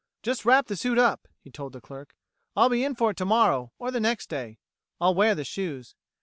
"Just wrap the suit up," he told the clerk, "I'll be in for it tomorrow, or the next day. I'll wear the shoes."